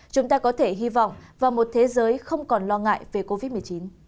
chúng ta có thể hy vọng vào một thế giới không còn lo ngại về covid một mươi chín